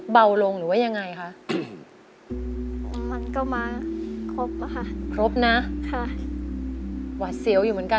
พร้อมนะพี่อิ๋วนะ